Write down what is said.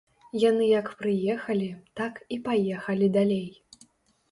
Яны як прыехалі, так і паехалі далей.